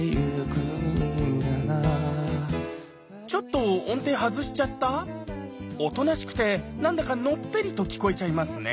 ちょっと音程外しちゃった⁉おとなしくてなんだかのっぺりと聴こえちゃいますね。